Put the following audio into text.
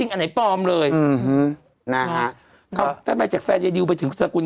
กอดคอมแผนแบบนี้แหววเยอะนะลูกนะลูก